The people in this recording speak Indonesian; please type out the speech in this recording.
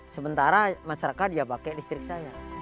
sementara masyarakat ya pakai listrik saya